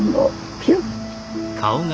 ピュッ。